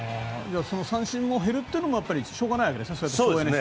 三振が減るというのはしょうがないわけですね